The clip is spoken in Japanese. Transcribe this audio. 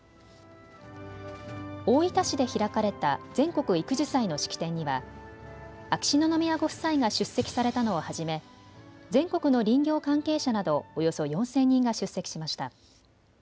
大分市で開かれた全国育樹祭の式典には秋篠宮ご夫妻が出席されたのをはじめ、全国の林業関係者などおよそ４０００人が出席しました。